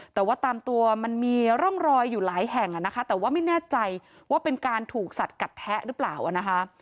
แต่ว่าตามตัวมันมีร่องรอยอยู่หลายแห่งนะคะแต่ว่าไม่แน่ใจว่าเป็นการถูกสัดกัดแทะหรือเปล่านะคะ